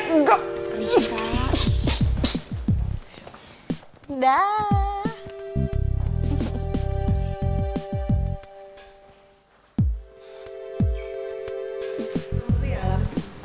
tunggu ya alam